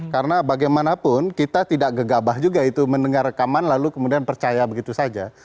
karena bagaimanapun kita tidak gegabah juga itu mendengar rekaman lalu kemudian percaya begitu saja